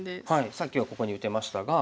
さっきはここに打てましたが。